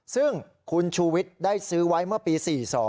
ซึ่งคุณชูวิทย์ได้ซื้อไว้เมื่อปี๔๒